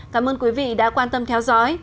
cảm ơn quý vị đã quan tâm theo dõi